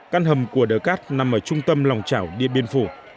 căn hầm của đờ cát nằm ở trung tâm lòng trảo điện biên phủ